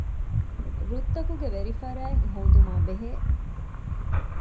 ރުއްތަކުގެ ވެރިފަރާތް ހޯދުމާބެހޭ